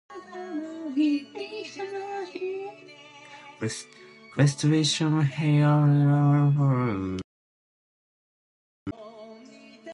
Restoration heroic drama, for all its literariness, relied on opulent scenery.